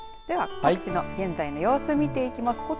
では、各地の空の様子を見ていきます。